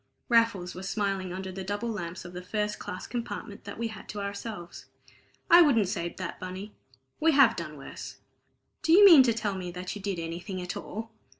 Raffles was smiling under the double lamps of the first class compartment that we had to ourselves. "I wouldn't say that, Bunny. We have done worse." "Do you mean to tell me that you did anything at all?"